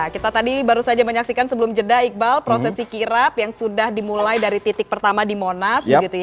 kita tadi baru saja menyaksikan sebelum jeda iqbal prosesi kirap yang sudah dimulai dari titik pertama di monas